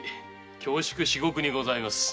恐縮至極にございます。